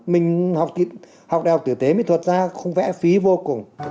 mình học đại học tử tế mỹ thuật ra không vẽ phí vô cùng